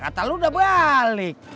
kata lu udah balik